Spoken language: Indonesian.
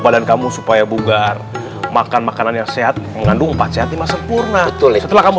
badan kamu supaya bugar makan makanan yang sehat mengandung pak sehatnya sempurna setelah kamu